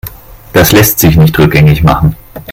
Das lässt sich nicht rückgängig machen.